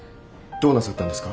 どうなさったんですか？